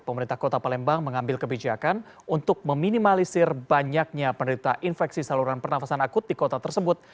pemerintah kota palembang mengambil kebijakan untuk meminimalisir banyaknya penderita infeksi saluran pernafasan akut di kota tersebut